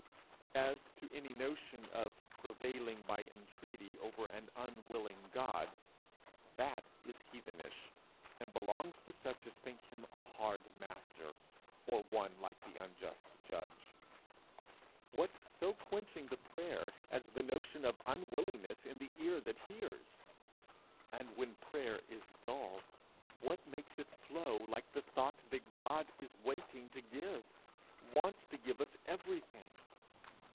As to any notion of prevailing by entreaty over an unwilling God, that is heathenish, and belongs to such as think him a hard master, or one like the unjust judge. What so quenching to prayer as the notion of unwillingness in the ear that hears! And when prayer is dull, what makes it flow like the thought that God is waiting to give, wants to give us everything!